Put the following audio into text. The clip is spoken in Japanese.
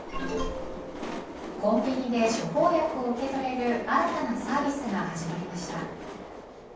コンビニで処方薬を受け取れる新たなサービスが始まりました。